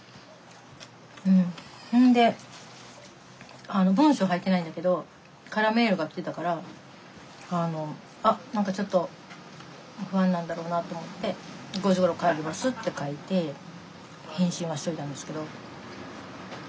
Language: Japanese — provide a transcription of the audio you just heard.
であの文章入ってないんだけど空メールが来てたからあっ何かちょっと不安なんだろうなと思って「５時ごろ帰ります」って書いて返信はしといたんですけど。